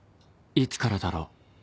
いつからだろう